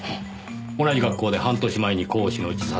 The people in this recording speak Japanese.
同じ学校で半年前に講師の自殺。